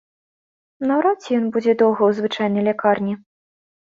Наўрад ці ён будзе доўга ў звычайнай лякарні.